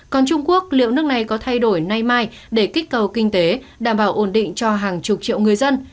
còn trung quốc liệu nước này có thay đổi nay mai để kích cầu kinh tế đảm bảo ổn định cho hàng chục triệu người dân